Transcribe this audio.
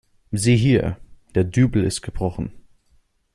Sieh hier, der Dübel ist gebrochen.